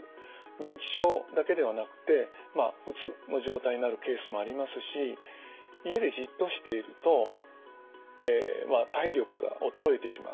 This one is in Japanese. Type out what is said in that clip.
認知症だけではなくてうつの状態になるケースもありますし家でじっとしていると体力が衰えてしまう。